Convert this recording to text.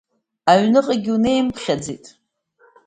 Аҩныҟагьы унеимԥхьаӡеит…